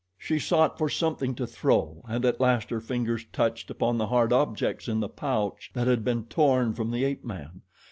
She sought for something to throw and at last her fingers touched upon the hard objects in the pouch that had been torn from the ape man.